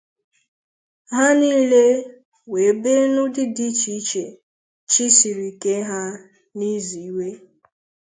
ha niile wee bee n’ụdị dị iche iche chi siri kee ha n’ize iwe